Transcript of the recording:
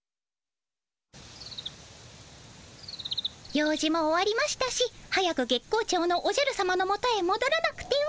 用事も終わりましたし早く月光町のおじゃるさまのもとへもどらなくては。